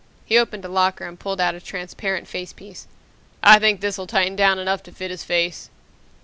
He opened a locker and pulled out a transparent facepiece. "I think this'll tighten down enough to fit his face."